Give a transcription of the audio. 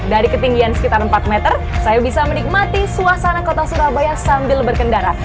dari ketinggian sekitar empat meter saya bisa menikmati suasana kota surabaya sambil berkendara